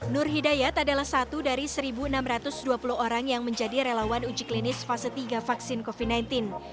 nur hidayat adalah satu dari satu enam ratus dua puluh orang yang menjadi relawan uji klinis fase tiga vaksin covid sembilan belas